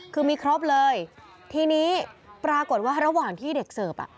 คือมีครบเลยทีนี้ปรากฏว่าระหว่างที่เด็กเสิร์ฟอ่ะ